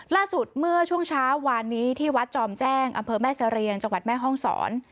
ล่าสุดเมื่อช่วงเช้าวานนี้ที่วัดจอมแจ้งอำเภอแม่เสรียงจังหวัดแม่ห้องศร